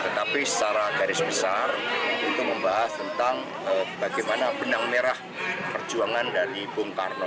tetapi secara garis besar itu membahas tentang bagaimana benang merah perjuangan dari bung karno